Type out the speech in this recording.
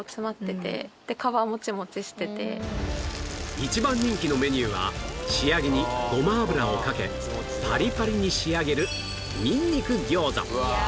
一番人気のメニューは仕上げにごま油をかけパリパリに仕上げるうわ！